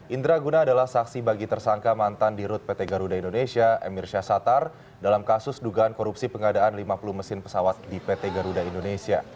indra guna adalah saksi bagi tersangka mantan di rute pt garuda indonesia emir syahsatar dalam kasus dugaan korupsi pengadaan lima puluh mesin pesawat di pt garuda indonesia